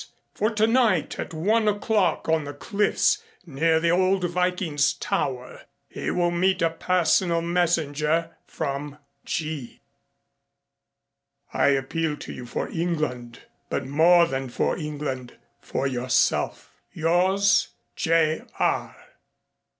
For tonight at one o'clock on the cliffs near the old Viking's Tower, he will meet a personal messenger from G . I appeal to you for England but more than for England, for yourself. Yours, J. R.